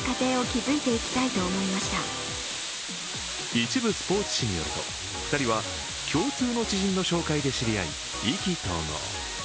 一部スポーツ紙によると、２人は共通の知人の紹介で知り合い意気投合。